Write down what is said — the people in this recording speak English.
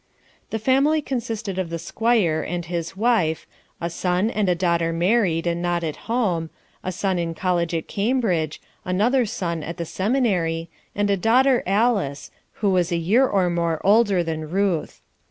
The family consisted of the Squire and his wife, a son and a daughter married and not at home, a son in college at Cambridge, another son at the Seminary, and a daughter Alice, who was a year or more older than Ruth.